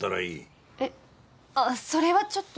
えっあぁそれはちょっと。